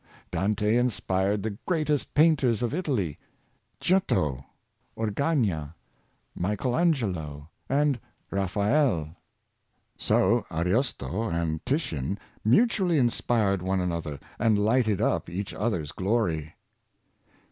Dante inspired the greatest painters of Italy — Giotto, Orcagna, Michael Angelo, and Raphael. So Ariosto 136 Admire Nobly, and Titian mutually inspired one another, and lighted up each other's glory.